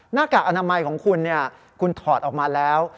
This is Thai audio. หน้ากากอนามัยของคุณคุณถอดออกมาแล้ว